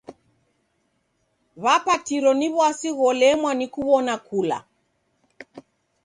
W'apatiro ni w'asi gholemwa ni kuw'ona kula.